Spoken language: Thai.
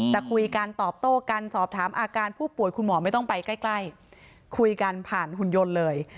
จะคุยกันตอบโต้กันสอบถามอาการผู้ป่วยคุณหมอไม่ต้องไปใกล้คุยกันผ่านหุ่นยนต์เลย